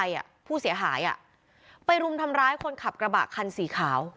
อ่ะผู้เสียหายอ่ะไปรุมทำร้ายคนขับกระบะคันสีขาว